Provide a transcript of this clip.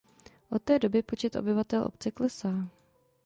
Od té doby počet obyvatel obce klesá.